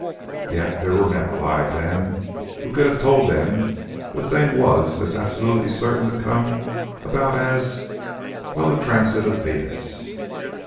Yet there were men alive then who could have told them the thing was as absolutely certain to come about as well, the transit of Venus."